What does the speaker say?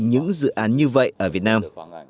những dự án như vậy ở việt nam